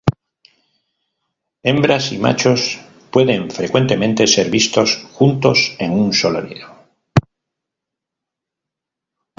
Hembras y machos pueden frecuentemente ser vistos juntos en un solo nido.